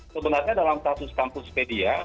sebenarnya dalam status kampus pedia